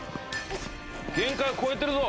限界を超えてるぞ。